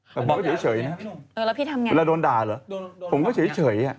แล้วพี่ทำยังไงแล้วโดนด่าเหรอผมก็เฉยอะ